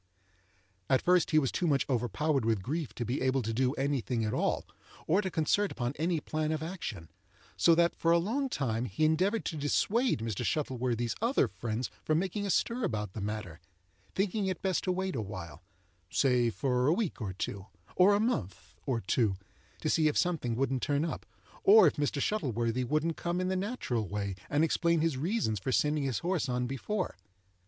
At first he was too much overpowered with grief to be able to do any thing at all, or to concert upon any plan of action; so that for a long time he endeavored to dissuade Mr. Shuttleworthy's other friends from making a stir about the matter, thinking it best to wait awhile—say for a week or two, or a month, or two—to see if something wouldn't turn up, or if Mr. Shuttleworthy wouldn't come in the natural way, and explain his reasons for sending his horse on before.